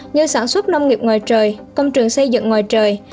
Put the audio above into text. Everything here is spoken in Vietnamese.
như sản xuất nông nghiệp ngoài trời công trường xây dựng ngoài trời